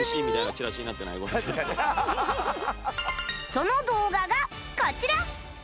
その動画がこちら